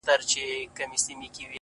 سم داسي ښكاري راته _